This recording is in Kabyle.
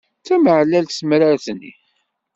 D tameɛlalt temrart-nni.